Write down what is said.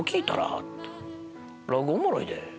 「落語おもろいで」。